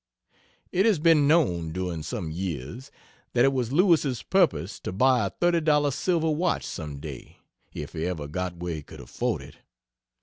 It has been known, during some years, that it was Lewis's purpose to buy a thirty dollar silver watch some day, if he ever got where he could afford it.